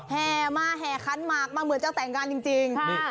แห่มาแห่ขันหมากมาเหมือนเจ้าแต่งงานจริง